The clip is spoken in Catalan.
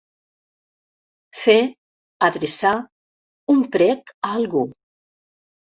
Fer, adreçar, un prec a algú.